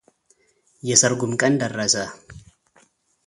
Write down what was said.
የሰርጉም ቀን ደረሰ፡፡